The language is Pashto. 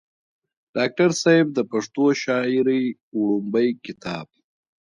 ډاکټر صېب د پښتو شاعرۍ وړومبے کتاب